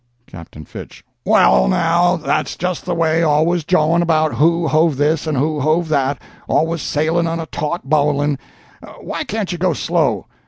Captain Fitch—"Well, now, that's just the way always jawin' about who hove this and who hove that—always sailin' on a taut bowlin'. Why can't you go slow?